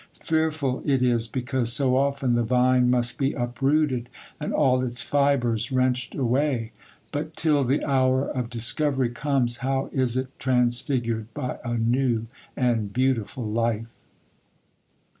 Fearful it is, because so often the vine must be uprooted, and all its fibres wrenched away; but till the hour of discovery comes, how is it transfigured by a new and beautiful life!